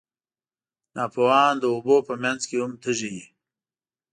ناپوهان د اوبو په منځ کې هم تږي وي.